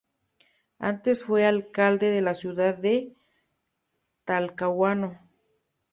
Antes fue alcalde de la ciudad de Talcahuano.